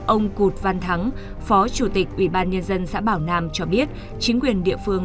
ông cụt văn thắng phó chủ tịch ủy ban nhân dân xã bảo nam cho biết chính quyền địa phương